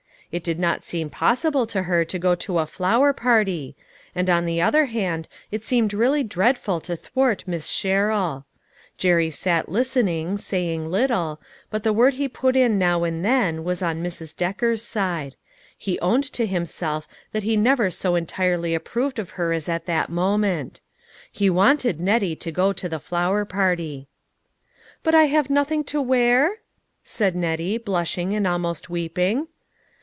It did not seem possible to her to go to a flower party ; and on the other hand it seemed really dreadful to thwart Miss Sherrill. Jerry sat lis tening, saying little, but the word he put in now 292 LITTLE FISHERS : AND THEIR NETS. and then, was on Mrs. Decker's side ; he owned to himself that he never so entirely approved of her as at that moment. He wanted Nettie to go to the flower party. "But I have nothing to wear?" said Nettie, blushing, and almost weeping.